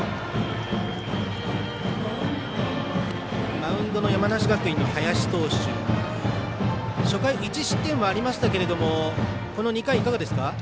マウンドの山梨学院の林投手初回、１失点はありましたけどこの２回、いかがですか。